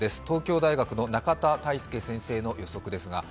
東京大学の中田泰祐先生の予測です。